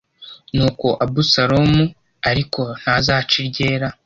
Nuko Abusalomu ariko ntazanca iryera